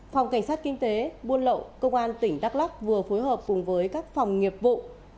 phòng cảnh sát kinh tế buôn lậu công an tỉnh đắk lắc vừa phối hợp cùng với các phòng nghiệp vụ